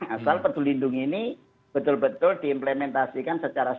asal pedulindungi ini betul betul diimplementasikan secara strategis